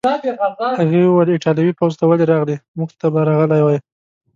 هغې وویل: ایټالوي پوځ ته ولې راغلې؟ موږ ته به راغلی وای.